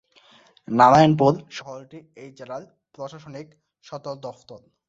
নারায়ণপুর শহরটি এই জেলার প্রশাসনিক সদর দফতর।